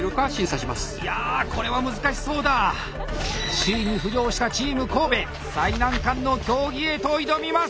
首位に浮上したチーム神戸最難関の競技へと挑みます！